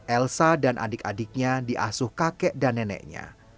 elsa dan adik adiknya diasuh kakek dan neneknya